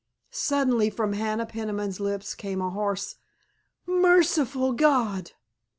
Suddenly from Hannah Peniman's lips came a hoarse, "Merciful God!"